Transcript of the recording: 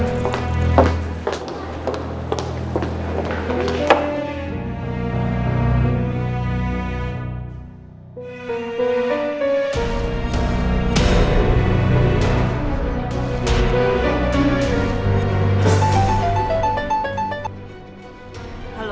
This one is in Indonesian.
karena aku kelem er